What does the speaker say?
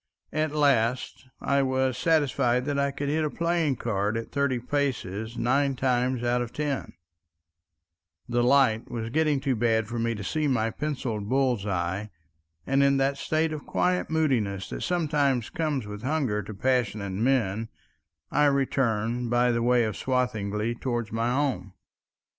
At last I was satisfied that I could hit a playing card at thirty paces nine times out of ten; the light was getting too bad for me to see my penciled bull's eye, and in that state of quiet moodiness that sometimes comes with hunger to passionate men, I returned by the way of Swathinglea towards my home.